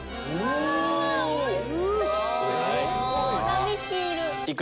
おいしそう！